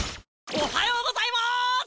おはようございます！